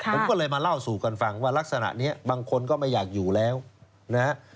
ผมก็เลยมาเล่าสู่กันฟังว่ารักษณะนี้บางคนก็ไม่อยากอยู่แล้วนะฮะ